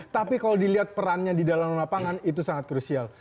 tapi kalau dilihat perannya di dalam lapangan itu sangat krusial